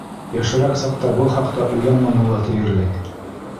Йәшерәк саҡта был хаҡта уйланманы ла тиерлек.